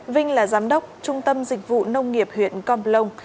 vinh là giám đốc trung tâm dịch vụ nông nghiệp huyện con plông